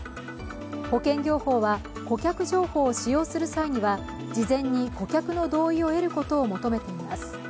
保険業法は顧客情報を使用する際には事前に顧客の同意を得ることを求めています。